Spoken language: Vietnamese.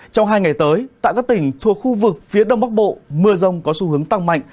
trong hai ngày tới tại các tỉnh thuộc khu vực phía đông bắc bộ mưa rông có xu hướng tăng mạnh